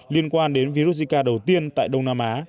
liên quan đến virus zika đầu tiên tại đông nam á